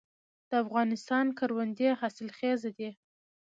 د افغانستان کروندې حاصلخیزه دي